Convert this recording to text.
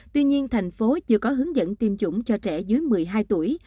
tuy nhiên thành phố chưa có hướng dẫn tiêm chủng cho trẻ dưới một mươi hai tuổi